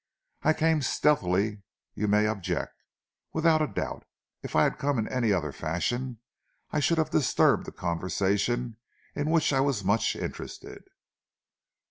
I came stealthily, you may object? Without a doubt. If I had come in any other fashion, I should have disturbed a conversation in which I was much interested."